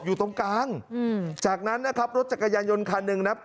อยู่ตรงกลางอืมจากนั้นนะครับรถจักรยานยนต์คันหนึ่งนะครับ